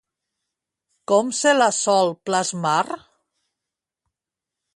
Com se la sol plasmar?